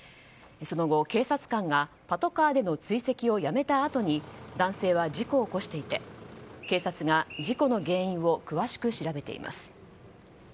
その後、警察官がパトカーでの追跡をやめたあとに男性は事故を起こしていて警察が事故の原因を詳しく調べています。